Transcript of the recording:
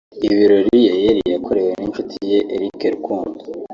Ibirori Yayeli yakorewe n'inshuti ye Eric Rukundo